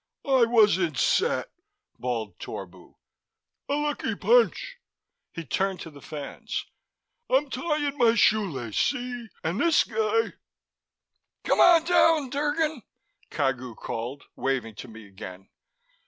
"I wasn't set," bawled Torbu. "A lucky punch." He turned to the fans. "I'm tying my shoelace, see? And this guy " "Come on down, Drgon," Cagu called, waving to me again.